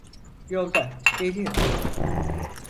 Yolda, geliyor.